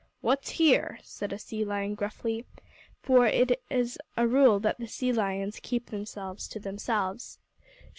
"What's here?" said a sea lion gruffly, for as a rule the sea lions keep themselves to themselves.